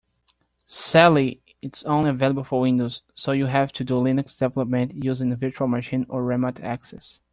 Sadly, it's only available for Windows, so you'll have to do Linux development using a virtual machine or remote access.